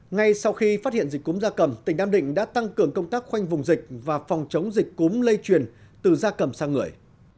ngay sau khi phát hiện dịch cúm da cầm tỉnh nam định đã tăng cường công tác khoanh vùng dịch và phòng chống dịch cúm lây truyền từ da cầm sang người